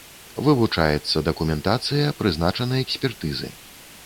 Вывучаецца дакументацыя, прызначаны экспертызы.